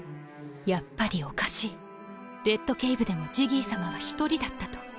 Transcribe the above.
やっぱりおかしいレッドケイブでもジギーさまは一人だったと